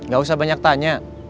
gak usah banyak tanya